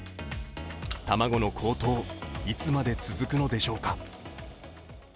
卵の高騰、いつまで続くのでしょうか。